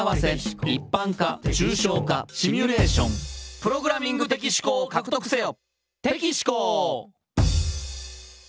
「プログラミング的思考を獲得せよ」